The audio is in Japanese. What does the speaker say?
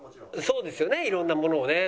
そうですよね色んなものをね。